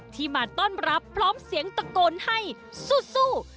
ที่มาต้อนรับพร้อมเสียงตะโกนให้สู้